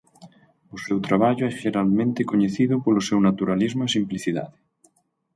O seu traballo é xeralmente coñecido polo seu naturalismo e simplicidade.